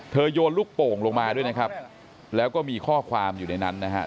โยนลูกโป่งลงมาด้วยนะครับแล้วก็มีข้อความอยู่ในนั้นนะฮะ